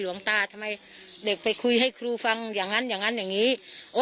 หลวงตาทำไมเด็กไปคุยให้ครูฟังอย่างนั้นอย่างนั้นอย่างนี้